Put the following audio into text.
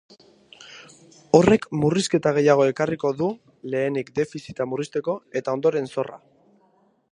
Horrek murrizketa gehiago ekarriko du, lehenenik defizita murrizteko eta ondoren zorra.